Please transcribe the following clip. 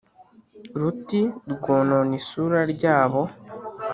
Ruti rwonona isuri ryabo